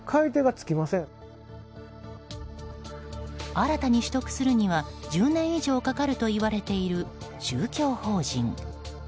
新たに取得するには１０年以上かかるといわれている宗教法人。